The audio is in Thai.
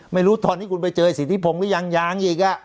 ไม่รู้ตอนนี้คุณไปเจอสิทธิพงศ์หรือยังยังอีก